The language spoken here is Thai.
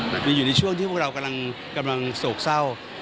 แต่ยังอยู่ในช่วงที่พวกเรากำลังโศกเศร้า